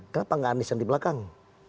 kenapa nggak anies yang di belakang